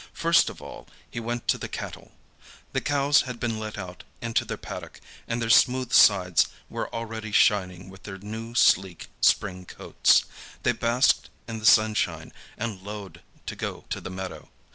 First of all he went to the cattle. The cows had been let out into their paddock, and their smooth sides were already shining with their new, sleek, spring coats; they basked in the sunshine and lowed to go to the meadow.